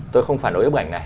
tôi không phản ối bức ảnh này